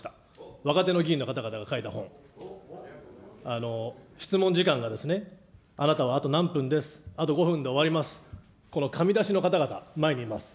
若手の議員の方々が書いた本、質問時間があなたはあと何分です、あと５分で終わります、この紙出しの方々、前にいます。